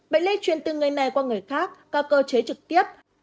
bệnh lây truyền từ người này qua người khác qua cơ chế trực tiếp